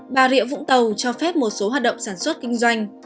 bà rịa vũng tàu cho phép một số hoạt động sản xuất kinh doanh